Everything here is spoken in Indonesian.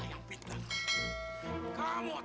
saya punya usul